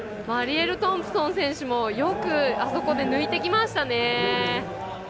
マリエル・トンプソン選手もよくあそこで抜いてきました。